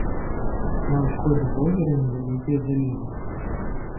На ўсходзе возера невялікія залівы.